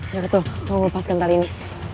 ya betul kamu lepaskan tali ini